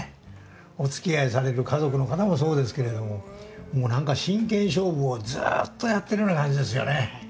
おつきあいされる家族の方もそうですけれども何か真剣勝負をずっとやってるような感じですよね。